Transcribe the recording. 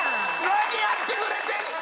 何やってくれてるんですか！